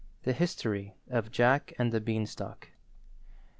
THE HISTORY OF JACK AND THE BEANSTALK.